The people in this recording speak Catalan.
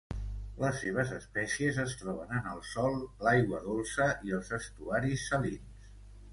Les seves espècies es troben en el sòl, l'aigua dolça i els estuaris salins.